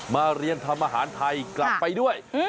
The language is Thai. มาเรียนทำอาหารไทยกลับไปด้วย